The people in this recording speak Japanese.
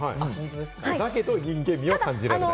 だけど人間味は感じられない。